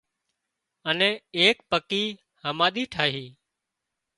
اين ايڪ پڪي هماۮي ٺاهي